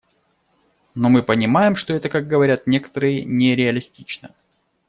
Но мы понимаем, что это, как говорят некоторые, не реалистично.